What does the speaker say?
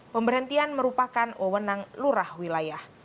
pemberhentian merupakan wewenang lurah wilayah